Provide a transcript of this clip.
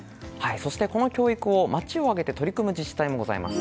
そして、この教育を街を挙げて取り組む自治体もあります。